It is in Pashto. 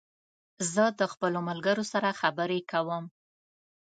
زه د خپلو ملګرو سره خبري کوم